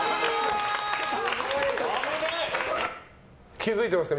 気づいてますか？